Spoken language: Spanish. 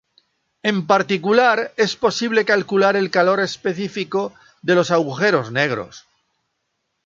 En particular, es posible calcular el calor específico de los agujeros negros.